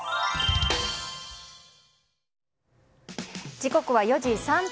時刻は４時３分。